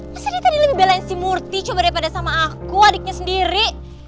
pesannya tadi lebih belain si murti coba daripada sama aku adiknya sendiri